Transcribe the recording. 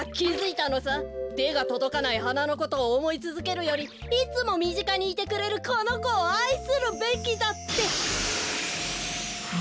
てがとどかないはなのことをおもいつづけるよりいつもみぢかにいてくれるこのこをあいするべきだって！